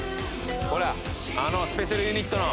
ほらあのスペシャルユニットの。